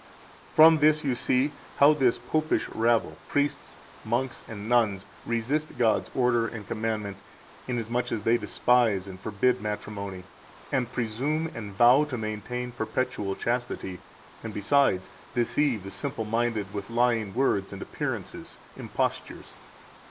213 From this you see how this popish rabble, priests, monks, and nuns, resist God's order and commandment, inasmuch as they despise and forbid matrimony, and presume and vow to maintain perpetual chastity, and, besides, deceive the simple minded with lying words and appearances [impostures].